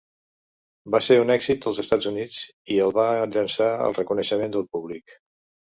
Va ser un èxit als Estats Units i el va llançar al reconeixement del públic.